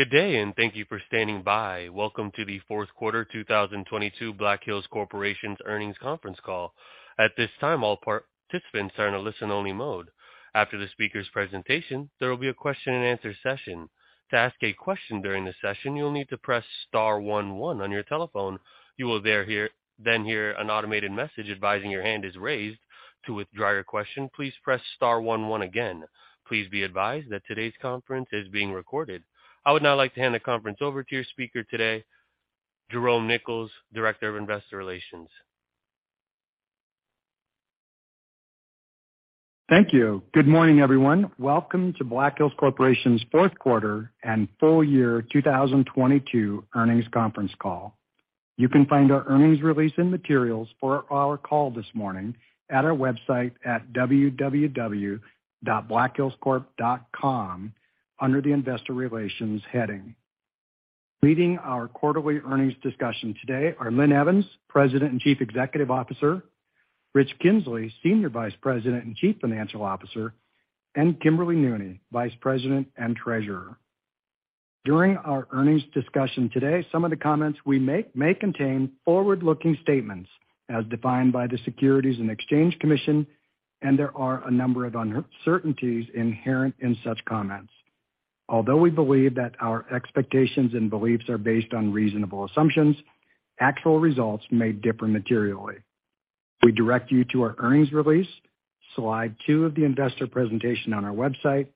Good day, and thank you for standing by. Welcome to the Q4 2022 Black Hills Corporation's Earnings Conference Call. At this time, all participants are in a listen-only mode. After the speaker's presentation, there will be a question-and-answer session. To ask a question during the session, you'll need to press star one one on your telephone. You will then hear an automated message advising your hand is raised. To withdraw your question, please press star one one again. Please be advised that today's conference is being recorded. I would now like to hand the conference over to your speaker today, Jerome Nichols, Director of Investor Relations. Thank you. Good morning, everyone. Welcome to Black Hills Corporation's Q4 and full year 2022 Earnings Conference Call. You can find our earnings release and materials for our call this morning at our website at www.blackhillscorp.com under the Investor Relations heading. Leading our quarterly earnings discussion today are Linn Evans, President and Chief Executive Officer, Rich Kinzley, Senior Vice President and Chief Financial Officer, and Kimberly Nooney, Vice President and Treasurer. During our earnings discussion today, some of the comments we make may contain forward-looking statements as defined by the Securities and Exchange Commission. There are a number of uncertainties inherent in such comments. Although we believe that our expectations and beliefs are based on reasonable assumptions, actual results may differ materially. We direct you to our earnings release, slide two of the investor presentation on our website,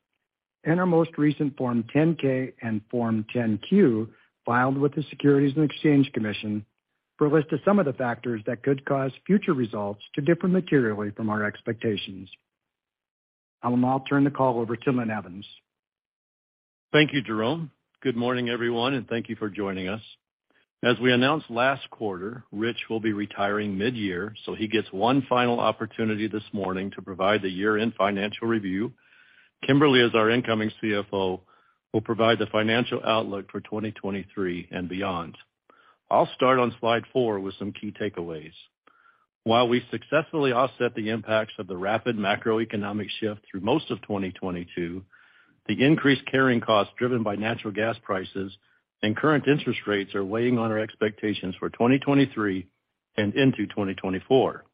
and our most recent Form 10-K and Form 10-Q filed with the Securities and Exchange Commission for a list of some of the factors that could cause future results to differ materially from our expectations. I'll now turn the call over to Linn Evans. Thank you, Jerome. Good morning, everyone, thank you for joining us. As we announced last quarter, Rich will be retiring mid-year, he gets one final opportunity this morning to provide the year-end financial review. Kimberly, as our incoming CFO, will provide the financial outlook for 2023 and beyond. I'll start on slide four with some key takeaways. While we successfully offset the impacts of the rapid macroeconomic shift through most of 2022, the increased carrying costs driven by natural gas prices and current interest rates are weighing on our expectations for 2023 and into 2024.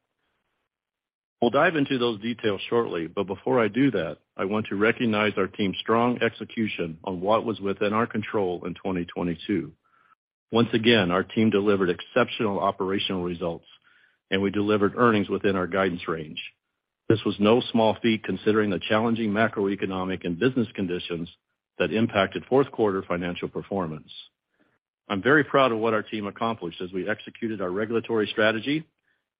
We'll dive into those details shortly, before I do that, I want to recognize our team's strong execution on what was within our control in 2022. Once again, our team delivered exceptional operational results, we delivered earnings within our guidance range. This was no small feat considering the challenging macroeconomic and business conditions that impacted Q4 financial performance. I'm very proud of what our team accomplished as we executed our regulatory strategy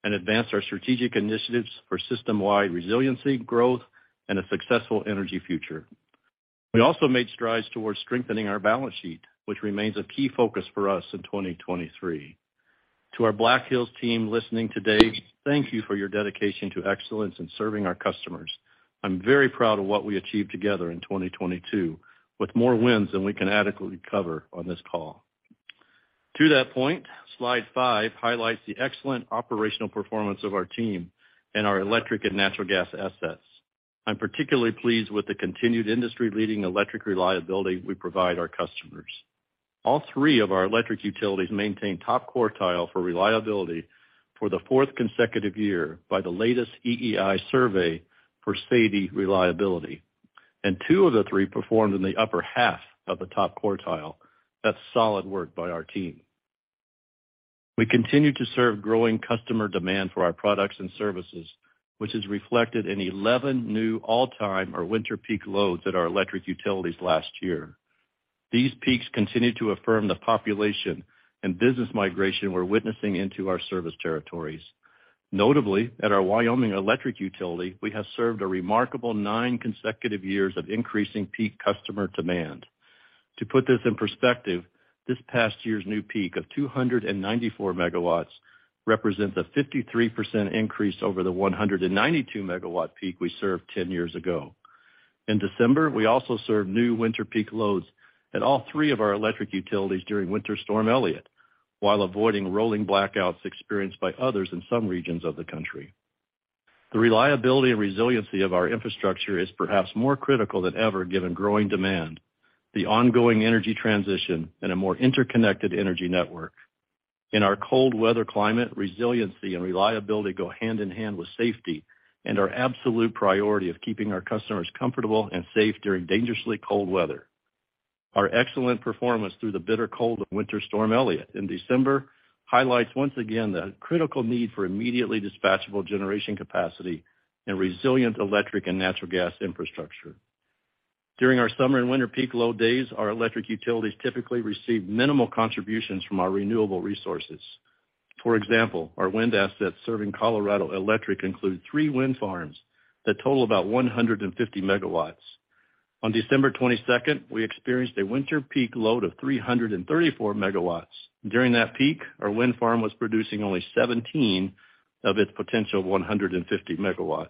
and advanced our strategic initiatives for system-wide resiliency, growth, and a successful energy future. We also made strides towards strengthening our balance sheet, which remains a key focus for us in 2023. To our Black Hills team listening today, thank you for your dedication to excellence in serving our customers. I'm very proud of what we achieved together in 2022 with more wins than we can adequately cover on this call. To that point, slide five highlights the excellent operational performance of our team and our electric and natural gas assets. I'm particularly pleased with the continued industry-leading electric reliability we provide our customers. All three of our electric utilities maintain top quartile for reliability for the fourth consecutive year by the latest EEI survey for SAIDI reliability, and two of the three performed in the upper half of the top quartile. That's solid work by our team. We continue to serve growing customer demand for our products and services, which is reflected in 11 new all-time or winter peak loads at our electric utilities last year. These peaks continue to affirm the population and business migration we're witnessing into our service territories. Notably, at our Wyoming Electric utility, we have served a remarkable nine consecutive years of increasing peak customer demand. To put this in perspective, this past year's new peak of 294 MW represents a 53% increase over the 192 MW peak we served 10 years ago. In December, we also served new winter peak loads at all three of our electric utilities during Winter Storm Elliott while avoiding rolling blackouts experienced by others in some regions of the country. The reliability and resiliency of our infrastructure is perhaps more critical than ever, given growing demand, the ongoing energy transition, and a more interconnected energy network. In our cold weather climate, resiliency and reliability go hand in hand with safety and our absolute priority of keeping our customers comfortable and safe during dangerously cold weather. Our excellent performance through the bitter cold of Winter Storm Elliott in December highlights once again the critical need for immediately dispatchable generation capacity and resilient electric and natural gas infrastructure. During our summer and winter peak load days, our electric utilities typically receive minimal contributions from our renewable resources. For example, our wind assets serving Colorado Electric include three wind farms that total about 150 MW. On December 22nd, we experienced a winter peak load of 334 MW. During that peak, our wind farm was producing only 17 of its potential 150 MW.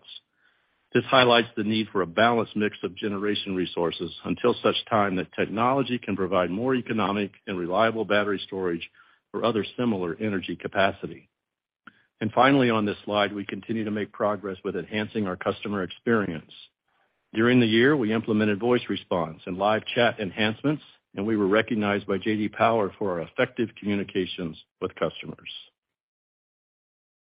This highlights the need for a balanced mix of generation resources until such time that technology can provide more economic and reliable battery storage or other similar energy capacity. Finally, on this slide, we continue to make progress with enhancing our customer experience. During the year, we implemented voice response and live chat enhancements, and we were recognized by J.D. Power for our effective communications with customers.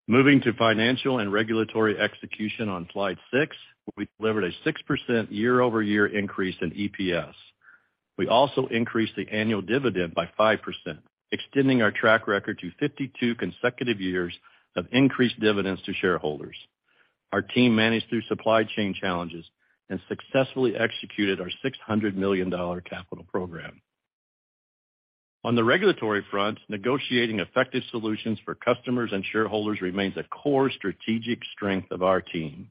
Moving to financial and regulatory execution on slide six, we delivered a 6% year-over-year increase in EPS. We also increased the annual dividend by 5%, extending our track record to 52 consecutive years of increased dividends to shareholders. Our team managed through supply chain challenges and successfully executed our $600 million capital program. On the regulatory front, negotiating effective solutions for customers and shareholders remains a core strategic strength of our team.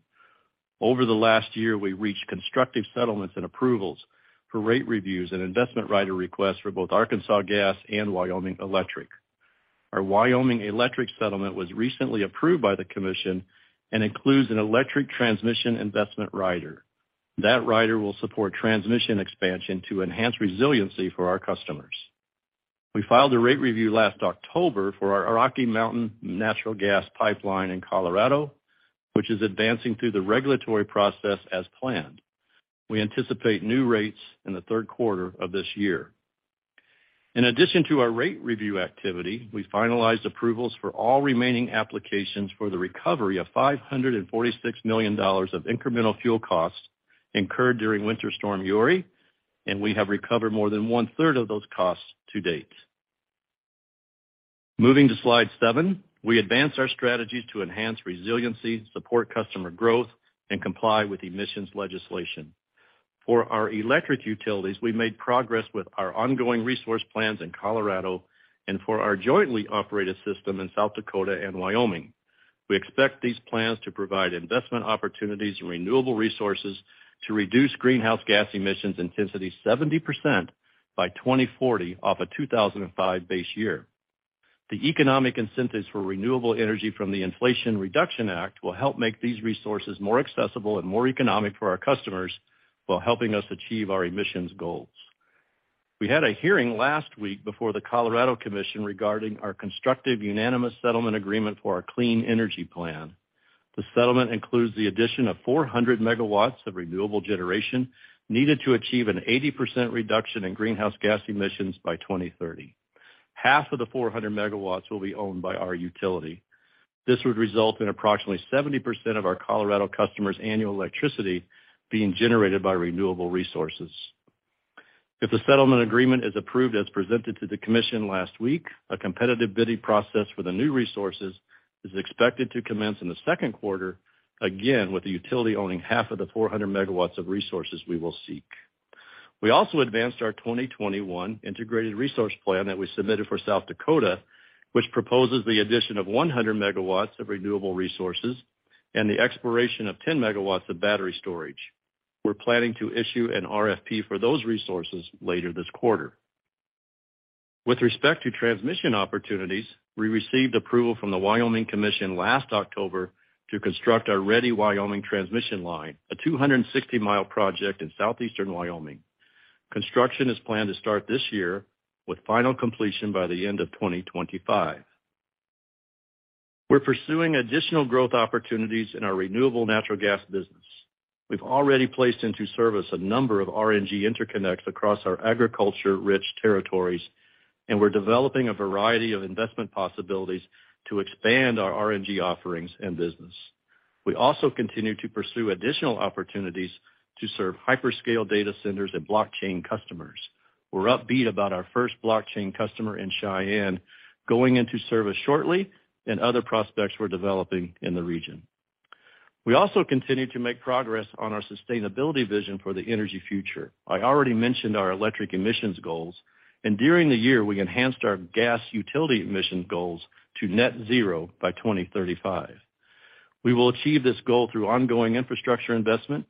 Over the last year, we reached constructive settlements and approvals for rate reviews and investment rider requests for both Arkansas Gas and Wyoming Electric. Our Wyoming Electric settlement was recently approved by the commission and includes an electric transmission investment rider. That rider will support transmission expansion to enhance resiliency for our customers. We filed a rate review last October for our Rocky Mountain Natural Gas Pipeline in Colorado, which is advancing through the regulatory process as planned. We anticipate new rates in the Q3 of this year. In addition to our rate review activity, we finalized approvals for all remaining applications for the recovery of $546 million of incremental fuel costs incurred during Winter Storm Uri, and we have recovered more than one-third of those costs to date. Moving to slide seven. We advanced our strategies to enhance resiliency, support customer growth, and comply with emissions legislation. For our electric utilities, we made progress with our ongoing resource plans in Colorado and for our jointly operated system in South Dakota and Wyoming. We expect these plans to provide investment opportunities and renewable resources to reduce greenhouse gas emissions intensity 70% by 2040 off a 2005 base year. The economic incentives for renewable energy from the Inflation Reduction Act will help make these resources more accessible and more economic for our customers while helping us achieve our emissions goals. We had a hearing last week before the Colorado Commission regarding our constructive unanimous settlement agreement for our clean energy plan. The settlement includes the addition of 400 MWs of renewable generation needed to achieve an 80% reduction in greenhouse gas emissions by 2030. Half of the 400 MWs will be owned by our utility. This would result in approximately 70% of our Colorado customers' annual electricity being generated by renewable resources. If the settlement agreement is approved as presented to the commission last week, a competitive bidding process for the new resources is expected to commence in the Q2, again, with the utility owning half of the 400 MWs of resources we will seek. We also advanced our 2021 integrated resource plan that we submitted for South Dakota, which proposes the addition of 100 MW of renewable resources and the exploration of 10 MW of battery storage. We're planning to issue an RFP for those resources later this quarter. With respect to transmission opportunities, we received approval from the Wyoming Commission last October to construct our Ready Wyoming transmission line, a 260-mile project in southeastern Wyoming. Construction is planned to start this year with final completion by the end of 2025. We're pursuing additional growth opportunities in our renewable natural gas business. We've already placed into service a number of RNG interconnects across our agriculture-rich territories, and we're developing a variety of investment possibilities to expand our RNG offerings and business. We also continue to pursue additional opportunities to serve hyperscale data centers and blockchain customers. We're upbeat about our first blockchain customer in Cheyenne going into service shortly and other prospects we're developing in the region. We continue to make progress on our sustainability vision for the energy future. I already mentioned our electric emissions goals. During the year, we enhanced our gas utility emission goals to net zero by 2035. We will achieve this goal through ongoing infrastructure investment,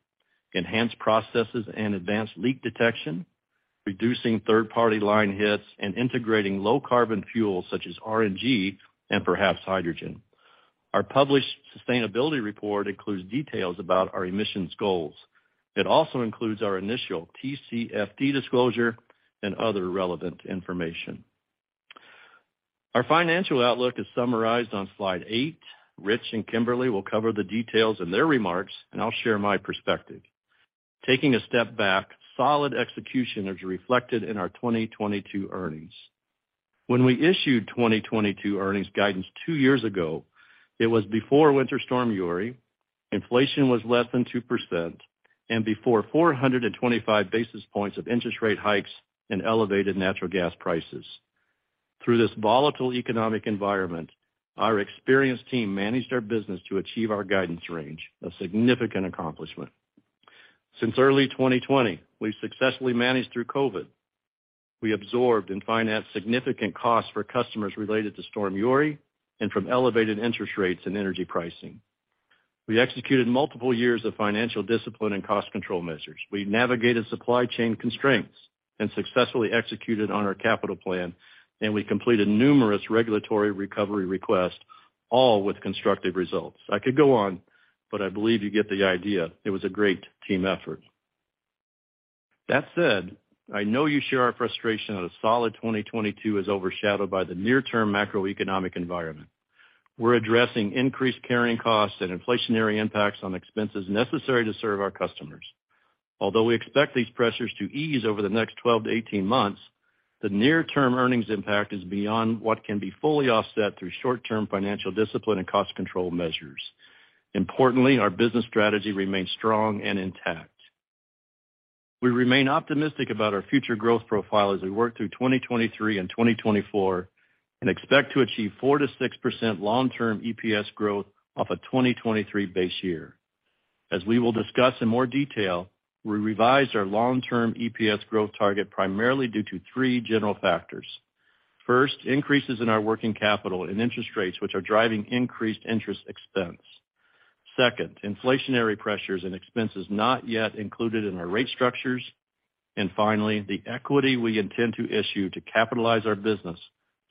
enhanced processes and advanced leak detection, reducing third-party line hits, and integrating low carbon fuels such as RNG and perhaps hydrogen. Our published sustainability report includes details about our emissions goals. It includes our initial TCFD disclosure and other relevant information. Our financial outlook is summarized on slide eight. Rich and Kimberly will cover the details in their remarks. I'll share my perspective. Taking a step back, solid execution is reflected in our 2022 earnings. When we issued 2022 earnings guidance two years ago, it was before Winter Storm Uri, inflation was less than 2%, and before 425 basis points of interest rate hikes and elevated natural gas prices. Through this volatile economic environment, our experienced team managed our business to achieve our guidance range, a significant accomplishment. Since early 2020, we've successfully managed through COVID. We absorbed and financed significant costs for customers related to Storm Uri and from elevated interest rates and energy pricing. We executed multiple years of financial discipline and cost control measures. We navigated supply chain constraints and successfully executed on our capital plan, and we completed numerous regulatory recovery requests, all with constructive results. I could go on, but I believe you get the idea. It was a great team effort. That said, I know you share our frustration that a solid 2022 is overshadowed by the near-term macroeconomic environment. We're addressing increased carrying costs and inflationary impacts on expenses necessary to serve our customers. Although we expect these pressures to ease over the next 12-18 months, the near-term earnings impact is beyond what can be fully offset through short-term financial discipline and cost control measures. Importantly, our business strategy remains strong and intact. We remain optimistic about our future growth profile as we work through 2023 and 2024, and expect to achieve 4%-6% long-term EPS growth off a 2023 base year. As we will discuss in more detail, we revised our long-term EPS growth target primarily due to three general factors. First, increases in our working capital and interest rates, which are driving increased interest expense. Second, inflationary pressures and expenses not yet included in our rate structures. Finally, the equity we intend to issue to capitalize our business,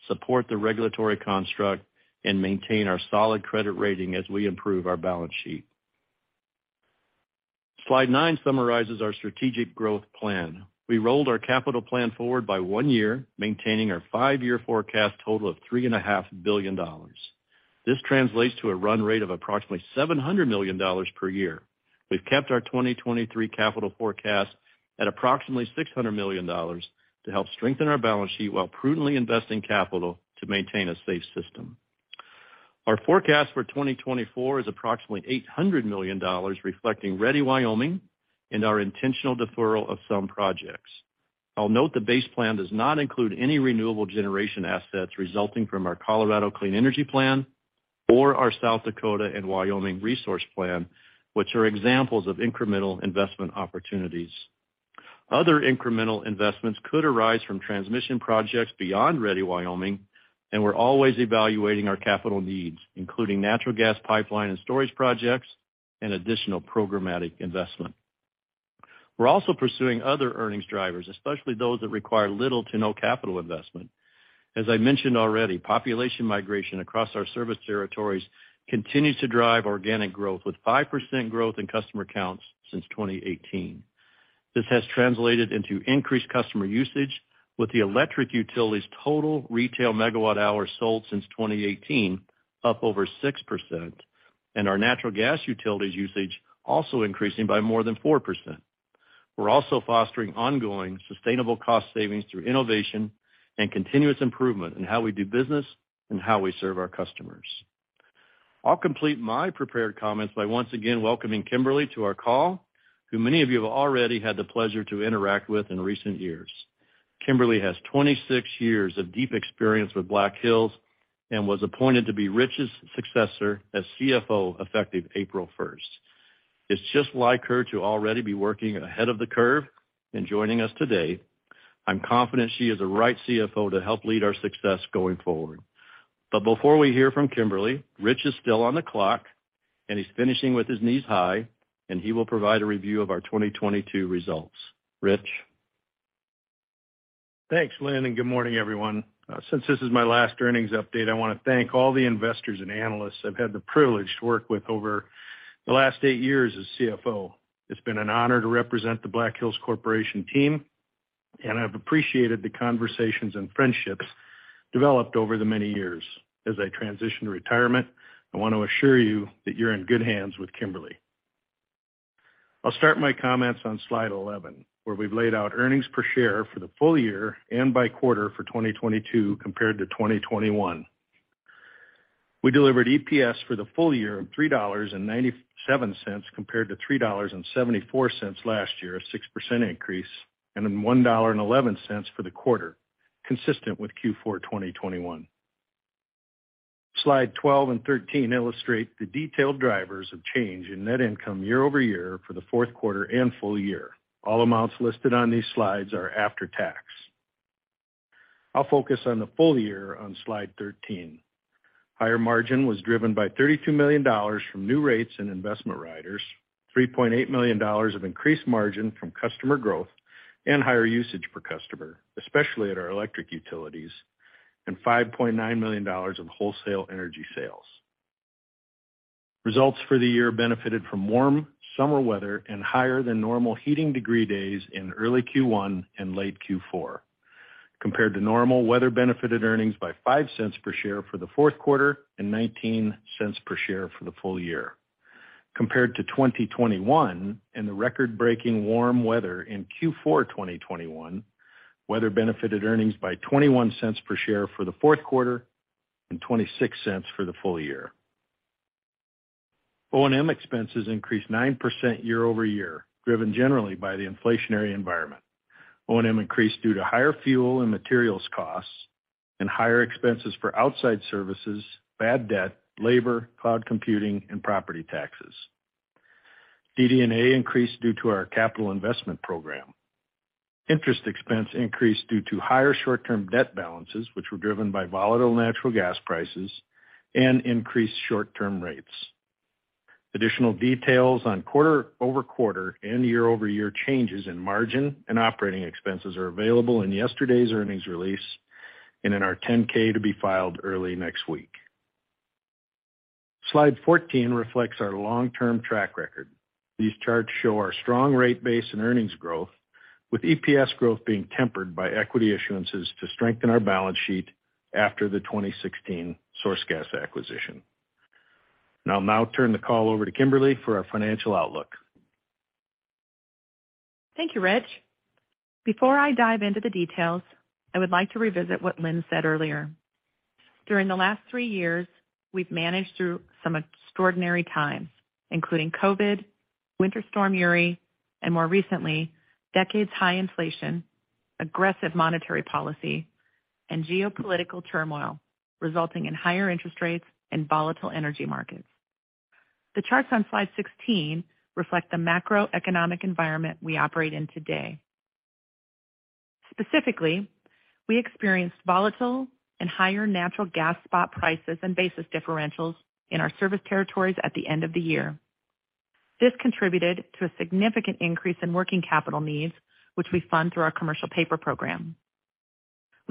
support the regulatory construct, and maintain our solid credit rating as we improve our balance sheet. Slide nine summarizes our strategic growth plan. We rolled our capital plan forward by one year, maintaining our five year forecast total of $3.5 billion. This translates to a run rate of approximately $700 million per year. We've kept our 2023 capital forecast at approximately $600 million to help strengthen our balance sheet while prudently investing capital to maintain a safe system. Our forecast for 2024 is approximately $800 million, reflecting Ready Wyoming and our intentional deferral of some projects. I'll note the base plan does not include any renewable generation assets resulting from our Colorado Clean Energy Plan or our South Dakota and Wyoming Resource Plan, which are examples of incremental investment opportunities. Other incremental investments could arise from transmission projects beyond Ready Wyoming, and we're always evaluating our capital needs, including natural gas pipeline and storage projects and additional programmatic investment. We're also pursuing other earnings drivers, especially those that require little to no capital investment. As I mentioned already, population migration across our service territories continues to drive organic growth, with 5% growth in customer counts since 2018. This has translated into increased customer usage, with the electric utility's total retail megawatt hours sold since 2018 up over 6%, and our natural gas utilities usage also increasing by more than 4%. We're also fostering ongoing sustainable cost savings through innovation and continuous improvement in how we do business and how we serve our customers. I'll complete my prepared comments by once again welcoming Kimberly to our call, who many of you have already had the pleasure to interact with in recent years. Kimberly has 26 years of deep experience with Black Hills and was appointed to be Rich's successor as CFO effective April 1st. It's just like her to already be working ahead of the curve and joining us today. I'm confident she is the right CFO to help lead our success going forward. Before we hear from Kimberly, Rich is still on the clock, and he's finishing with his knees high, and he will provide a review of our 2022 results. Rich? Thanks, Linn, good morning, everyone. Since this is my last earnings update, I wanna thank all the investors and analysts I've had the privilege to work with over the last eight years as CFO. It's been an honor to represent the Black Hills Corporation team, and I've appreciated the conversations and friendships developed over the many years. As I transition to retirement, I want to assure you that you're in good hands with Kimberly. I'll start my comments on slide 11, where we've laid out earnings per share for the full year and by quarter for 2022 compared to 2021. We delivered EPS for the full year of $3.97 compared to $3.74 last year, a 6% increase, and then $1.11 for the quarter, consistent with Q4 2021. Slide 12 and 13 illustrate the detailed drivers of change in net income year-over-year for the Q4 and full year. All amounts listed on these slides are after tax. I'll focus on the full year on slide 13. Higher margin was driven by $32 million from new rates and investment riders, $3.8 million of increased margin from customer growth and higher usage per customer, especially at our electric utilities, and $5.9 million of wholesale energy sales. Results for the year benefited from warm summer weather and higher than normal heating degree days in early Q1 and late Q4. Compared to normal, weather benefited earnings by $0.05 per share for the Q4 and $0.19 per share for the full year. Compared to 2021 and the record-breaking warm weather in Q4 2021, weather benefited earnings by $0.21 per share for the Q4 and $0.26 for the full year. O&M expenses increased 9% year-over-year, driven generally by the inflationary environment. O&M increased due to higher fuel and materials costs and higher expenses for outside services, bad debt, labor, cloud computing, and property taxes. DD&A increased due to our capital investment program. Interest expense increased due to higher short-term debt balances, which were driven by volatile natural gas prices and increased short-term rates. Additional details on quarter-over-quarter and year-over-year changes in margin and operating expenses are available in yesterday's earnings release and in our 10-K to be filed early next week. Slide 14 reflects our long-term track record. These charts show our strong rate base and earnings growth, with EPS growth being tempered by equity issuances to strengthen our balance sheet after the 2016 SourceGas acquisition. I'll now turn the call over to Kimberly for our financial outlook. Thank you, Rich. Before I dive into the details, I would like to revisit what Linn said earlier. During the last three years, we've managed through some extraordinary times, including COVID, Winter Storm Uri, and more recently, decades high inflation, aggressive monetary policy, and geopolitical turmoil, resulting in higher interest rates and volatile energy markets. The charts on slide 16 reflect the macroeconomic environment we operate in today. Specifically, we experienced volatile and higher natural gas spot prices and basis differentials in our service territories at the end of the year. This contributed to a significant increase in working capital needs, which we fund through our commercial paper program.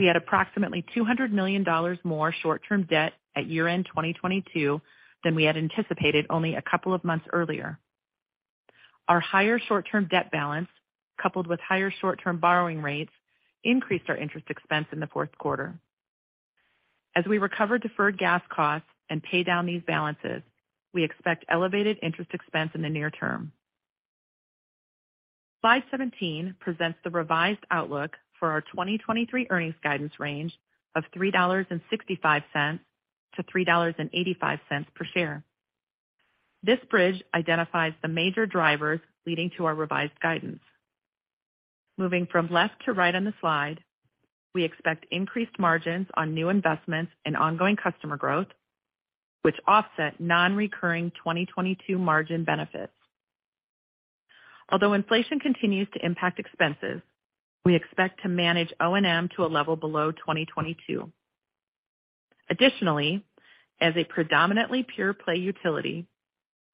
We had approximately $200 million more short-term debt at year-end 2022 than we had anticipated only a couple of months earlier. Our higher short-term debt balance, coupled with higher short-term borrowing rates, increased our interest expense in the Q4. As we recover deferred gas costs and pay down these balances, we expect elevated interest expense in the near term. Slide 17 presents the revised outlook for our 2023 earnings guidance range of $3.65-$3.85 per share. This bridge identifies the major drivers leading to our revised guidance. Moving from left to right on the slide, we expect increased margins on new investments and ongoing customer growth, which offset non-recurring 2022 margin benefits. Although inflation continues to impact expenses, we expect to manage O&M to a level below 2022. Additionally, as a predominantly pure play utility,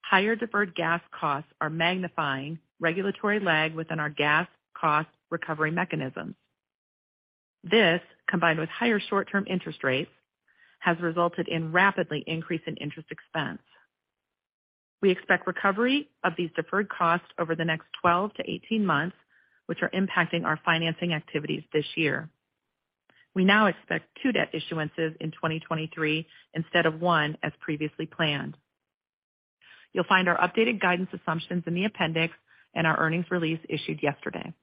higher deferred gas costs are magnifying regulatory lag within our gas cost recovery mechanisms. This, combined with higher short-term interest rates, has resulted in rapidly increase in interest expense. We expect recovery of these deferred costs over the next 12-18 months, which are impacting our financing activities this year. We now expect two debt issuances in 2023 instead of one as previously planned. You'll find our updated guidance assumptions in the appendix and our earnings release issued yesterday.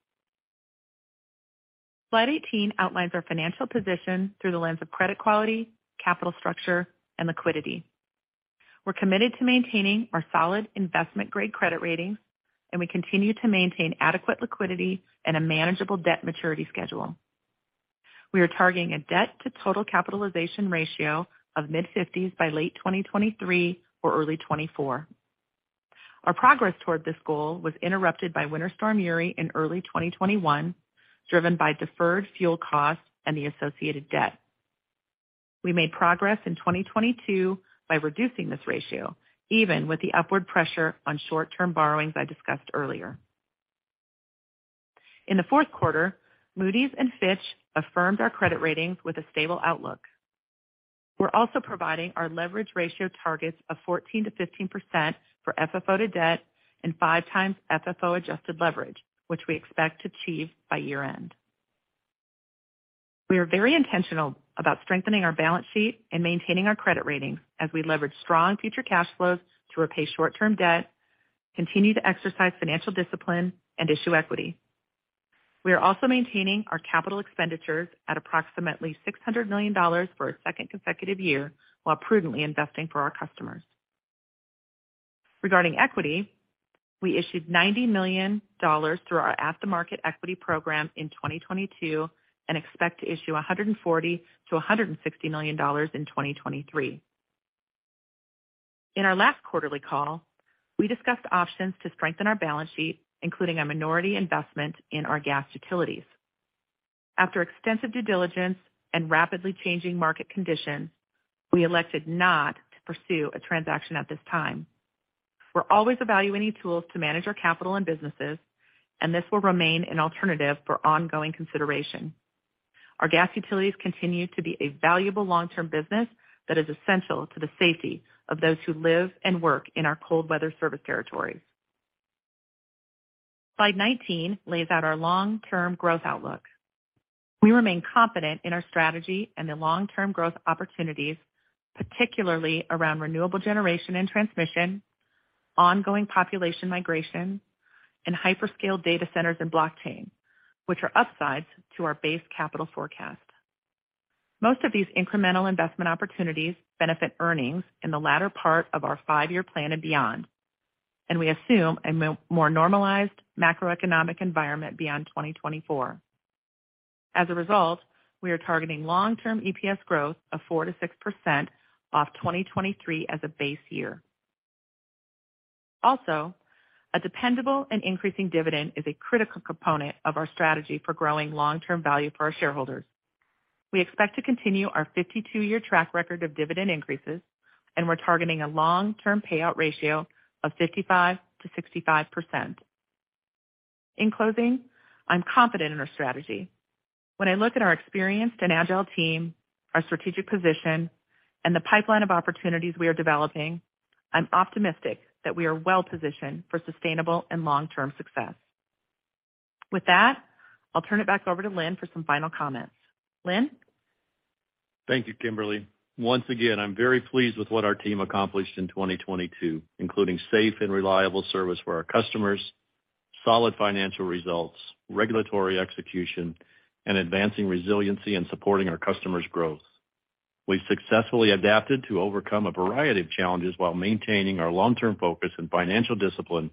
Slide 18 outlines our financial position through the lens of credit quality, capital structure, and liquidity. We're committed to maintaining our solid investment-grade credit rating, and we continue to maintain adequate liquidity and a manageable debt maturity schedule. We are targeting a debt to total capitalization ratio of mid-50s by late 2023 or early 2024. Our progress toward this goal was interrupted by Winter Storm Uri in early 2021, driven by deferred fuel costs and the associated debt. We made progress in 2022 by reducing this ratio, even with the upward pressure on short-term borrowings I discussed earlier. In the Q4, Moody's and Fitch affirmed our credit ratings with a stable outlook. We're also providing our leverage ratio targets of 14%-15% for FFO to debt and 5x FFO adjusted leverage, which we expect to achieve by year-end. We are very intentional about strengthening our balance sheet and maintaining our credit ratings as we leverage strong future cash flows to repay short-term debt, continue to exercise financial discipline and issue equity. We are also maintaining our capital expenditures at approximately $600 million for a second consecutive year while prudently investing for our customers. Regarding equity, we issued $90 million through our at-the-market equity program in 2022 and expect to issue $140 million-$160 million in 2023. In our last quarterly call, we discussed options to strengthen our balance sheet, including a minority investment in our gas utilities. After extensive due diligence and rapidly changing market conditions, we elected not to pursue a transaction at this time. We're always evaluating tools to manage our capital and businesses, and this will remain an alternative for ongoing consideration. Our gas utilities continue to be a valuable long-term business that is essential to the safety of those who live and work in our cold weather service territories. Slide 19 lays out our long-term growth outlook. We remain confident in our strategy and the long-term growth opportunities, particularly around renewable generation and transmission, ongoing population migration, and hyperscale data centers and blockchain, which are upsides to our base capital forecast. Most of these incremental investment opportunities benefit earnings in the latter part of our five-year plan and beyond, and we assume a more normalized macroeconomic environment beyond 2024. As a result, we are targeting long-term EPS growth of 4%-6% off 2023 as a base year. Also, a dependable and increasing dividend is a critical component of our strategy for growing long-term value for our shareholders. We expect to continue our 52-year track record of dividend increases, and we're targeting a long-term payout ratio of 55%-65%. In closing, I'm confident in our strategy. When I look at our experienced and agile team, our strategic position, and the pipeline of opportunities we are developing, I'm optimistic that we are well-positioned for sustainable and long-term success. With that, I'll turn it back over to Lynn for some final comments. Linn? Thank you, Kimberly. Once again, I'm very pleased with what our team accomplished in 2022, including safe and reliable service for our customers, solid financial results, regulatory execution, and advancing resiliency and supporting our customers' growth. We've successfully adapted to overcome a variety of challenges while maintaining our long-term focus and financial discipline,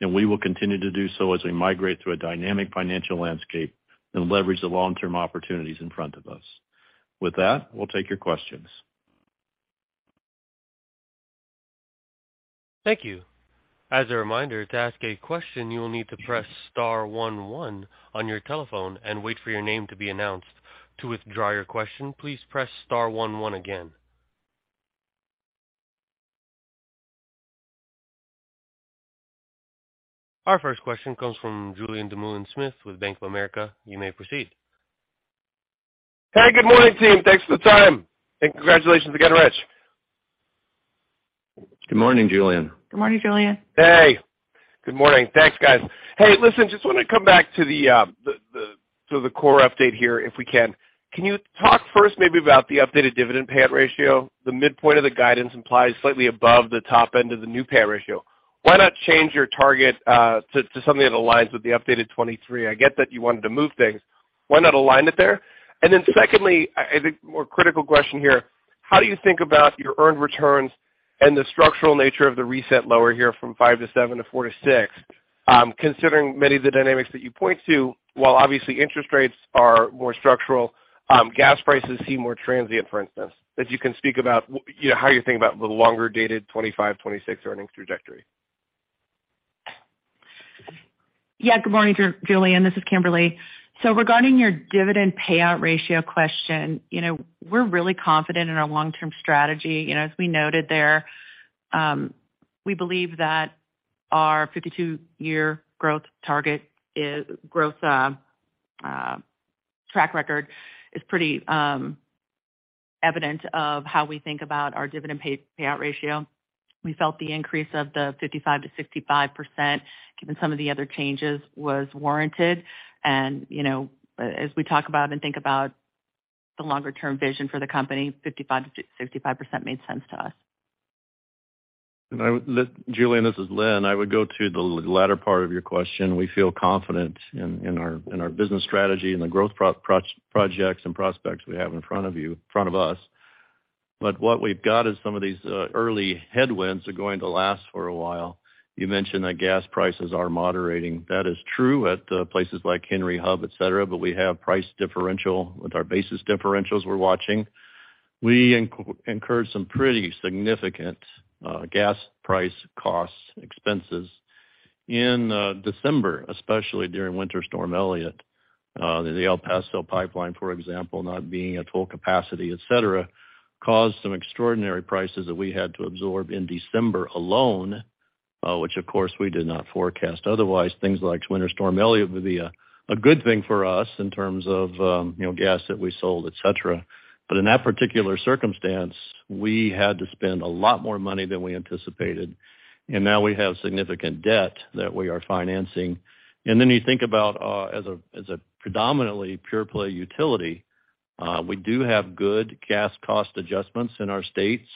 and we will continue to do so as we migrate through a dynamic financial landscape and leverage the long-term opportunities in front of us. With that, we'll take your questions. Thank you. As a reminder, to ask a question, you will need to press star one one on your telephone and wait for your name to be announced. To withdraw your question, please press star one one again. Our first question comes from Julien Dumoulin-Smith with Bank of America. You may proceed. Hey, good morning, team. Thanks for the time, and congratulations again, Rich. Good morning, Julien. Good morning, Julien. Hey, good morning. Thanks, guys. Hey, listen, just want to come back to the core update here, if we can. Can you talk first maybe about the updated dividend payout ratio? The midpoint of the guidance implies slightly above the top end of the new payout ratio. Why not change your target, to something that aligns with the updated 2023? I get that you wanted to move things. Why not align it there? secondly, I think more critical question here, how do you think about your earned returns and the structural nature of the reset lower here from 5-7 to 4-6, considering many of the dynamics that you point to, while obviously interest rates are more structural, gas prices seem more transient, for instance, if you can speak about you know, how you think about the longer-dated 2025, 2026 earnings trajectory? Yeah. Good morning, Julien. This is Kimberly. Regarding your dividend payout ratio question, you know, we're really confident in our long-term strategy. You know, as we noted there, we believe that our 52-year growth target is growth track record is pretty evident of how we think about our dividend payout ratio. We felt the increase of the 55%-65%, given some of the other changes, was warranted. you know, as we talk about and think about the longer term vision for the company, 55%-65% made sense to us. Julien, this is Linn. I would go to the latter part of your question. We feel confident in our business strategy and the growth projects and prospects we have in front of us. What we've got is some of these early headwinds are going to last for a while. You mentioned that gas prices are moderating. That is true at places like Henry Hub, et cetera, but we have price differential with our basis differentials we're watching. We incurred some pretty significant gas price costs, expenses in December, especially during Winter Storm Elliott. The El Paso pipeline, for example, not being at full capacity, et cetera, caused some extraordinary prices that we had to absorb in December alone, which of course we did not forecast otherwise. Things like Winter Storm Elliott would be a good thing for us in terms of, you know, gas that we sold, et cetera. In that particular circumstance, we had to spend a lot more money than we anticipated, and now we have significant debt that we are financing. You think about, as a predominantly pure play utility, we do have good gas cost adjustments in our states.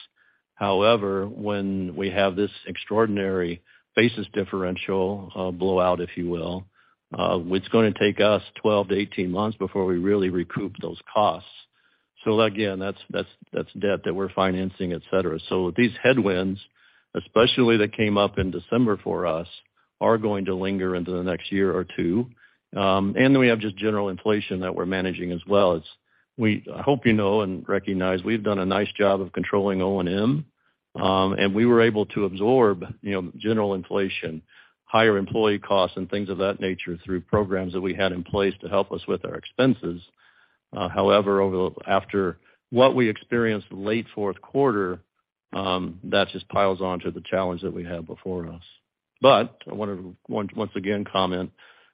However, when we have this extraordinary basis differential, blowout if you will, it's gonna take us 12 to 18 months before we really recoup those costs. Again, that's debt that we're financing, et cetera. These headwinds, especially that came up in December for us, are going to linger into the next year or two. We have just general inflation that we're managing as well. As we, I hope you know and recognize, we've done a nice job of controlling O&M, and we were able to absorb, you know, general inflation, higher employee costs and things of that nature through programs that we had in place to help us with our expenses. However, after what we experienced late Q4, that just piles on to the challenge that we have before us. I wanted once again comment,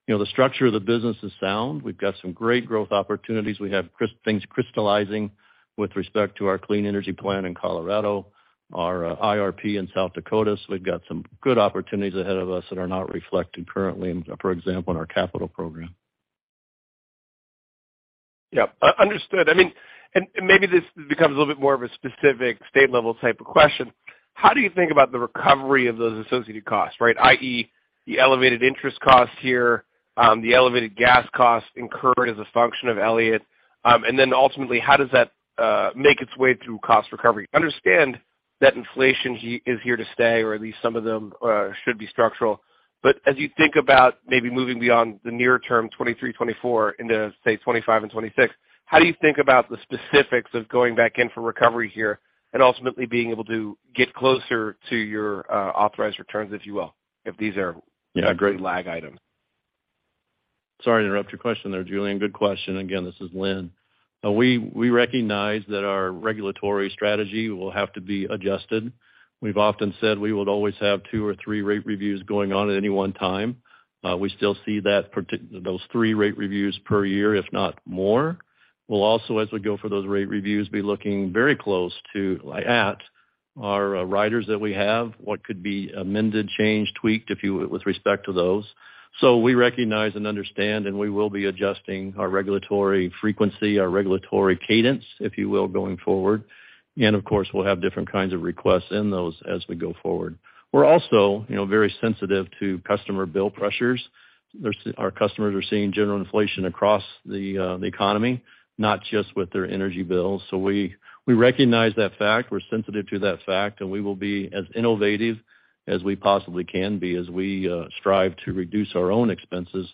you know, the structure of the business is sound. We've got some great growth opportunities. We have things crystallizing with respect to our clean energy plan in Colorado, our IRP in South Dakota. We've got some good opportunities ahead of us that are not reflected currently for example, in our capital program. Understood. I mean, maybe this becomes a little bit more of a specific state-level type of question. How do you think about the recovery of those associated costs, right? i.e., the elevated interest costs here, the elevated gas costs incurred as a function of Winter Storm Elliott. And then ultimately, how does that make its way through cost recovery? Understand that inflation is here to stay, or at least some of them should be structural. As you think about maybe moving beyond the near term 2023, 2024 into, say, 2025 and 2026, how do you think about the specifics of going back in for recovery here and ultimately being able to get closer to your authorized returns, if you will. Yeah. A great lag item? Sorry to interrupt your question there, Julien. Good question. Again, this is Linn. We recognize that our regulatory strategy will have to be adjusted. We've often said we would always have two or three rate reviews going on at any one time. We still see those three rate reviews per year, if not more. We'll also, as we go for those rate reviews, be looking very close at our riders that we have, what could be amended, changed, tweaked, if you with respect to those. We recognize and understand, and we will be adjusting our regulatory frequency, our regulatory cadence, if you will, going forward. Of course, we'll have different kinds of requests in those as we go forward. We're also, you know, very sensitive to customer bill pressures. Our customers are seeing general inflation across the economy, not just with their energy bills. We recognize that fact, we're sensitive to that fact, and we will be as innovative as we possibly can be as we strive to reduce our own expenses.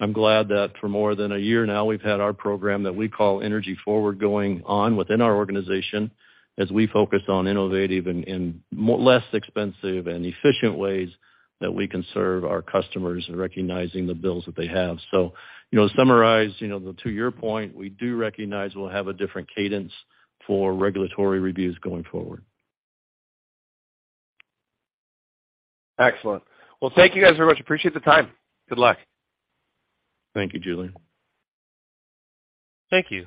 I'm glad that for more than a year now, we've had our program that we call Energy Forward going on within our organization as we focus on innovative and less expensive and efficient ways that we can serve our customers in recognizing the bills that they have. You know, to summarize, you know, to your point, we do recognize we'll have a different cadence for regulatory reviews going forward. Excellent. Well, thank you guys very much. Appreciate the time. Good luck. Thank you, Julien. Thank you.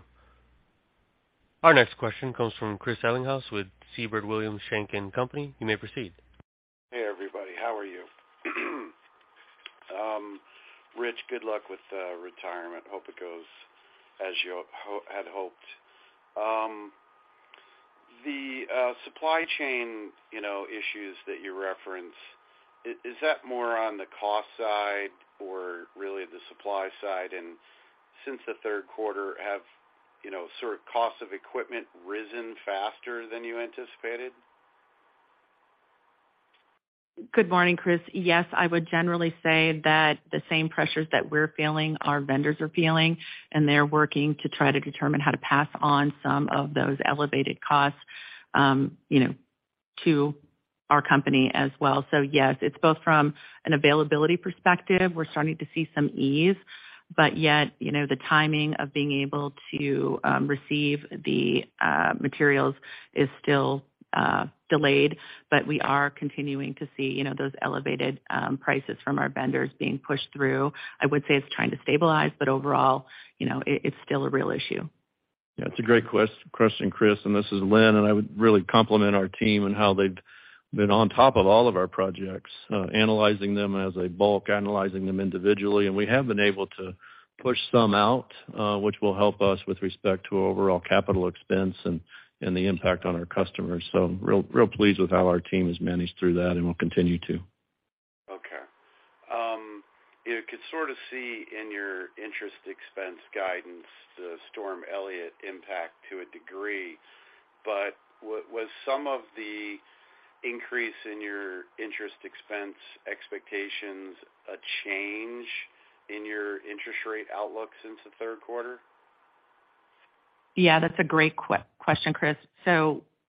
Our next question comes from Chris Ellinghaus with Siebert Williams Shank & Company. You may proceed. Hey, everybody. How are you? Rich, good luck with retirement. Hope it goes as you had hoped. The supply chain, you know, issues that you referenced, is that more on the cost side or really the supply side? Since the Q3 have, you know, sort of cost of equipment risen faster than you anticipated? Good morning, Chris. Yes, I would generally say that the same pressures that we're feeling, our vendors are feeling. They're working to try to determine how to pass on some of those elevated costs, you know, to our company as well. Yes, it's both from an availability perspective, we're starting to see some ease, but yet, you know, the timing of being able to receive the materials is still delayed. We are continuing to see, you know, those elevated prices from our vendors being pushed through. I would say it's trying to stabilize, but overall, you know, it's still a real issue. Yeah, it's a great question, Chris. This is Linn, and I would really compliment our team on how they've been on top of all of our projects, analyzing them as a bulk, analyzing them individually. We have been able to push some out, which will help us with respect to overall capital expense and the impact on our customers. Real, real pleased with how our team has managed through that and will continue to. Okay. you could sort of see in your interest expense guidance, the Storm Elliott impact to a degree. Was some of the increase in your interest expense expectations a change in your interest rate outlook since the Q3? Yeah, that's a great question, Chris.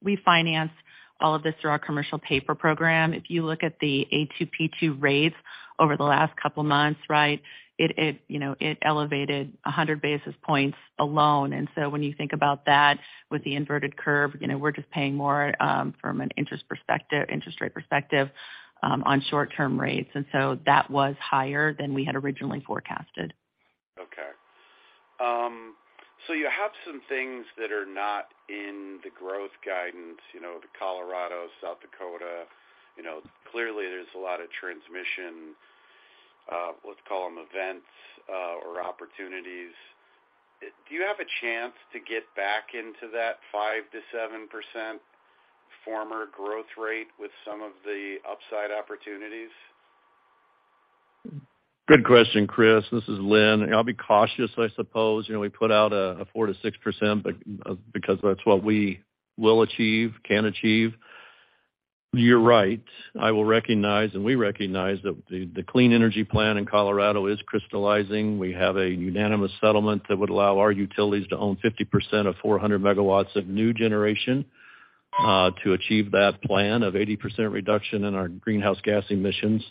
We finance all of this through our commercial paper program. If you look at the A2/P2 rates over the last couple of months, right, you know, it elevated 100 basis points alone. When you think about that with the inverted curve, you know, we're just paying more from an interest rate perspective on short-term rates. That was higher than we had originally forecasted. Okay. You have some things that are not in the growth guidance, you know, the Colorado, South Dakota, you know, clearly there's a lot of transmission, let's call them events, or opportunities. Do you have a chance to get back into that 5%-7% former growth rate with some of the upside opportunities? Good question, Chris. This is Linn. I'll be cautious, I suppose. You know, we put out a 4%-6% because that's what we will achieve, can achieve. You're right. I will recognize. We recognize that the clean energy plan in Colorado is crystallizing. We have a unanimous settlement that would allow our utilities to own 50% of 400 MWs of new generation to achieve that plan of 80% reduction in our greenhouse gas emissions.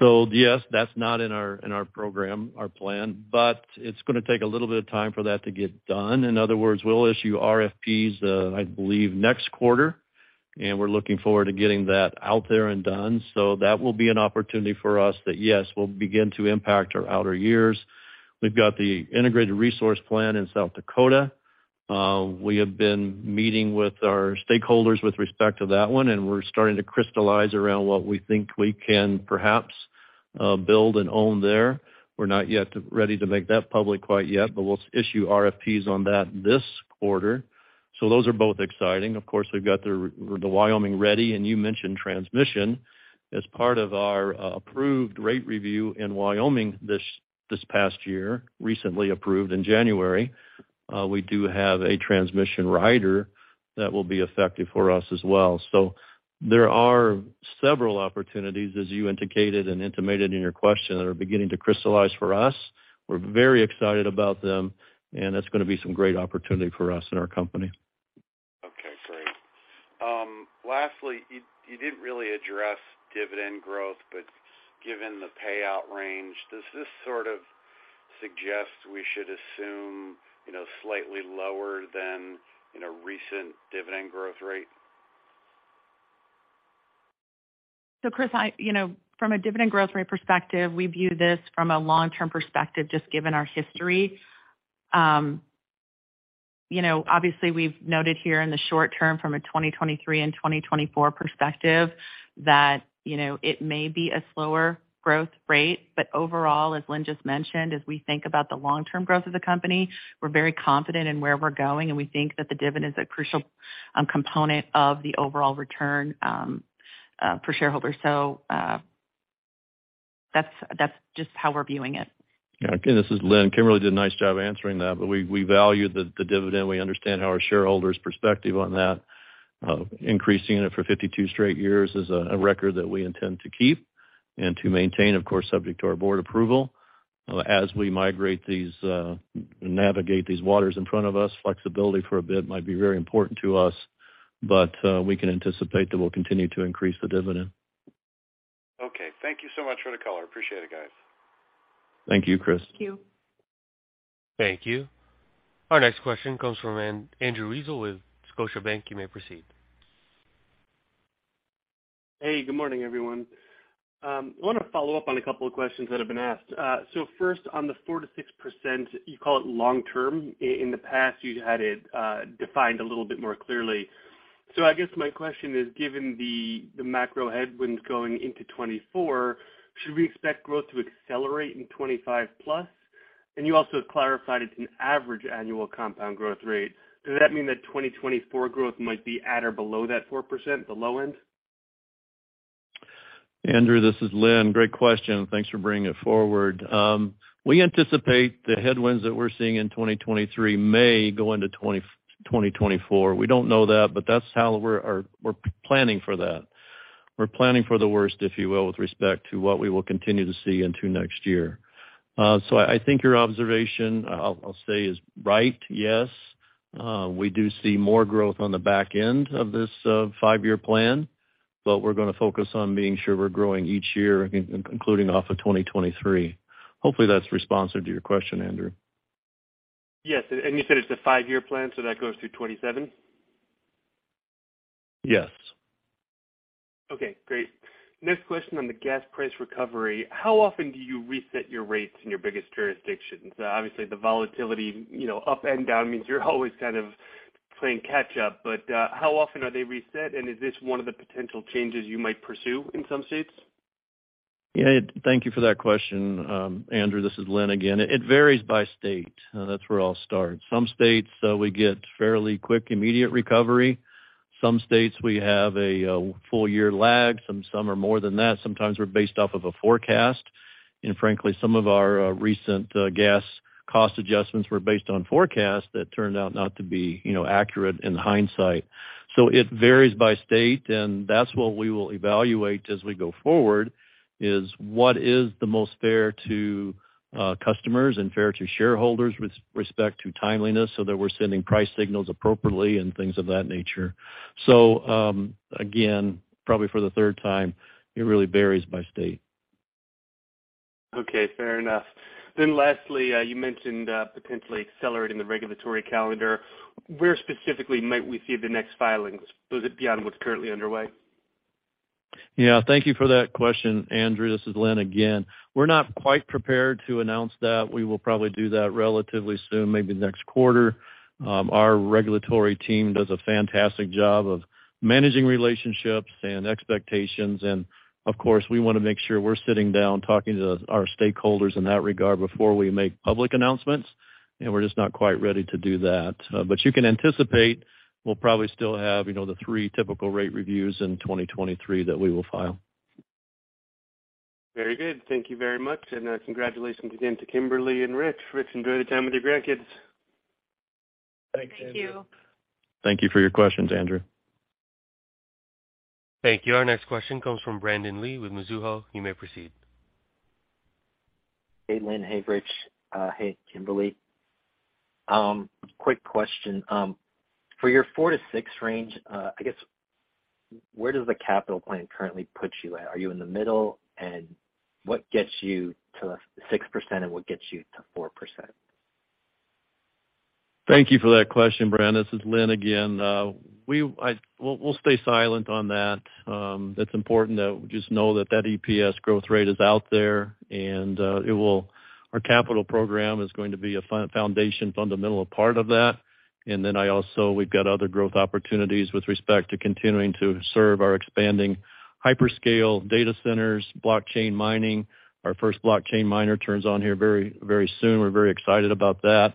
Yes, that's not in our program, our plan, but it's gonna take a little bit of time for that to get done. In other words, we'll issue RFPs, I believe next quarter. We're looking forward to getting that out there and done. That will be an opportunity for us that, yes, will begin to impact our outer years. We've got the integrated resource plan in South Dakota. We have been meeting with our stakeholders with respect to that one, and we're starting to crystallize around what we think we can perhaps build and own there. We're not yet ready to make that public quite yet, but we'll issue RFPs on that this quarter. Those are both exciting. Of course, we've got the Ready Wyoming, and you mentioned transmission as part of our approved rate review in Wyoming this past year, recently approved in January. We do have a transmission rider that will be effective for us as well. There are several opportunities, as you indicated and intimated in your question, that are beginning to crystallize for us. We're very excited about them, and it's gonna be some great opportunity for us and our company. Lastly, you didn't really address dividend growth, but given the payout range, does this sort of suggest we should assume, you know, slightly lower than, you know, recent dividend growth rate? Chris, you know, from a dividend growth rate perspective, we view this from a long-term perspective, just given our history. you know, obviously we've noted here in the short term from a 2023 and 2024 perspective that, you know, it may be a slower growth rate, but overall, as Linn just mentioned, as we think about the long-term growth of the company, we're very confident in where we're going, and we think that the dividend is a crucial component of the overall return for shareholders. that's just how we're viewing it. Again, this is Linn. Kimberly did a nice job answering that. We value the dividend. We understand our shareholders perspective on that. Increasing it for 52 straight years is a record that we intend to keep and to maintain, of course, subject to our board approval. As we navigate these waters in front of us, flexibility for a bit might be very important to us. We can anticipate that we'll continue to increase the dividend. Okay. Thank you so much for the call. I appreciate it, guys. Thank you, Chris. Thank you. Thank you. Our next question comes from Andrew Weisel with Scotiabank. You may proceed. Hey, good morning, everyone. I wanna follow up on a couple of questions that have been asked. First on the 4%-6%, you call it long-term. In the past, you had it defined a little bit more clearly. I guess my question is, given the macro headwinds going into 2024, should we expect growth to accelerate in 2025+? You also clarified it's an average annual compound growth rate. Does that mean that 2024 growth might be at or below that 4%, the low end? Andrew, this is Linn. Great question. Thanks for bringing it forward. We anticipate the headwinds that we're seeing in 2023 may go into 2024. We don't know that, but that's how we're planning for that. We're planning for the worst, if you will, with respect to what we will continue to see into next year. I think your observation, I'll say is right, yes. We do see more growth on the back end of this five-year plan, we're gonna focus on being sure we're growing each year, including off of 2023. Hopefully that's responsive to your question, Andrew. Yes. You said it's a five year plan, so that goes through 2027? Yes. Okay, great. Next question on the gas price recovery. How often do you reset your rates in your biggest jurisdictions? Obviously, the volatility, you know, up and down means you're always kind of playing catch up. How often are they reset, and is this one of the potential changes you might pursue in some states? Yeah. Thank you for that question. Andrew, this is Linn again. It varies by state. That's where I'll start. Some states, we get fairly quick, immediate recovery. Some states, we have a full year lag. Some are more than that. Sometimes we're based off of a forecast. Frankly, some of our recent gas cost adjustments were based on forecasts that turned out not to be, you know, accurate in hindsight. It varies by state, and that's what we will evaluate as we go forward, is what is the most fair to customers and fair to shareholders with respect to timeliness, so that we're sending price signals appropriately and things of that nature. Again, probably for the third time, it really varies by state. Okay, fair enough. Lastly, you mentioned, potentially accelerating the regulatory calendar. Where specifically might we see the next filings, sort of beyond what's currently underway? Yeah. Thank you for that question, Andrew. This is Linn again. We're not quite prepared to announce that. We will probably do that relatively soon, maybe next quarter. Our regulatory team does a fantastic job of managing relationships and expectations. We wanna make sure we're sitting down, talking to our stakeholders in that regard before we make public announcements, and we're just not quite ready to do that. You can anticipate we'll probably still have, you know, the three typical rate reviews in 2023 that we will file. Very good. Thank you very much. Congratulations again to Kimberly and Rich. Rich, enjoy the time with your grandkids. Thank you. Thank you for your questions, Andrew. Thank you. Our next question comes from Brandon Lee with Mizuho. You may proceed. Hey, Linn. Hey, Rich. Hey, Kimberly. Quick question. For your 4%-6% range, I guess where does the capital plan currently put you at? Are you in the middle, and what gets you to the 6% and what gets you to 4%? Thank you for that question, Brandon. This is Linn again. we'll stay silent on that. it's important to just know that that EPS growth rate is out there. Our capital program is going to be a foundation fundamental part of that. we've got other growth opportunities with respect to continuing to serve our expanding hyperscale data centers, blockchain mining. Our first blockchain miner turns on here very, very soon. We're very excited about that.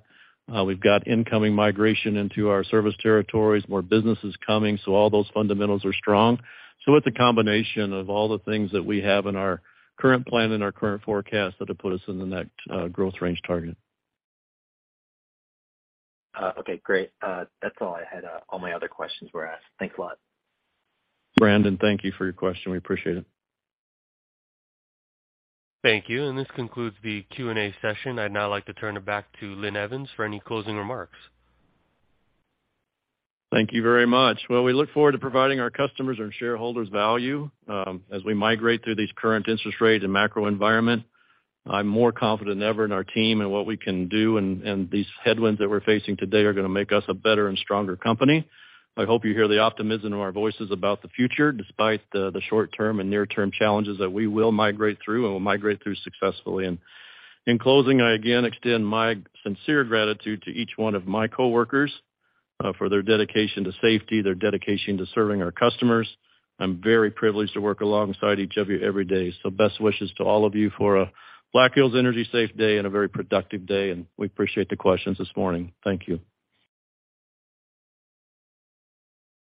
we've got incoming migration into our service territories, more businesses coming, all those fundamentals are strong. it's a combination of all the things that we have in our current plan and our current forecast that have put us in the next, growth range target. Okay, great. That's all I had. All my other questions were asked. Thanks a lot. Brandon, thank you for your question. We appreciate it. Thank you. This concludes the Q&A session. I'd now like to turn it back to Linn Evans for any closing remarks. Thank you very much. Well, we look forward to providing our customers and shareholders value, as we migrate through these current interest rates and macro environment. I'm more confident than ever in our team and what we can do and these headwinds that we're facing today are gonna make us a better and stronger company. I hope you hear the optimism in our voices about the future despite the short-term and near-term challenges that we will migrate through and will migrate through successfully. In closing, I again extend my sincere gratitude to each one of my coworkers, for their dedication to safety, their dedication to serving our customers. I'm very privileged to work alongside each of you every day. Best wishes to all of you for a Black Hills Energy safe day and a very productive day, and we appreciate the questions this morning. Thank you.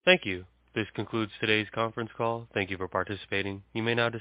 Thank you. This concludes today's conference call. Thank you for participating. You may now dis-